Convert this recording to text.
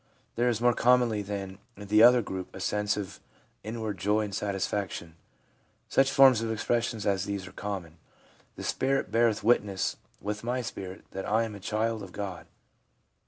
There is more commonly than in the other group a sense of inward joy and satisfaction. Such forms of expression as these are common :' The spirit beareth witness with my spirit that I am a child of God.'